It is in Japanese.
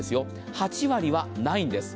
８割はないんです。